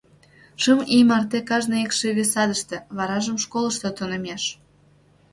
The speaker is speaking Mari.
Шым ий марте кажне икшыве садыште, варажым школышто тунемеш.